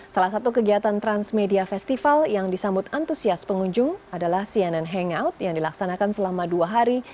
salah satu kegiatan transmedia festival yang disambut antusias pengunjung adalah cnn hangout yang dilaksanakan selama dua hari